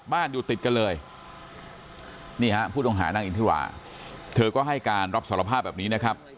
อยู่ติดกันเลยนี่ฮะผู้ต้องหานางอินทิราเธอก็ให้การรับสารภาพแบบนี้นะครับ